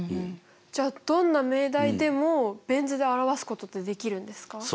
じゃあどんな命題でもベン図で表すことってできるんですか？